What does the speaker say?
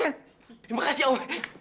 terima kasih om